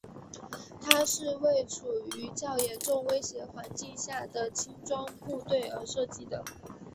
它是为处于较严重威胁环境下的轻装部队而设计的。